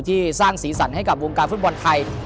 สร้างสีสันให้กับวงการฟุตบอลไทย